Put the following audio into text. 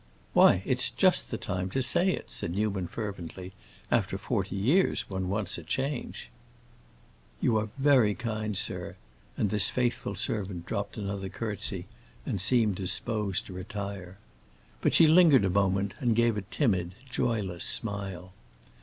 "Why, it's just the time to say it," said Newman, fervently. "After forty years one wants a change." "You are very kind, sir;" and this faithful servant dropped another curtsey and seemed disposed to retire. But she lingered a moment and gave a timid, joyless smile.